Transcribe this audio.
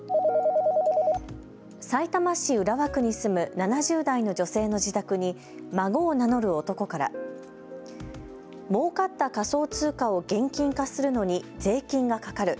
さいたま市浦和区に住む７０代の女性の自宅に孫を名乗る男からもうかった仮想通貨を現金化するのに税金がかかる。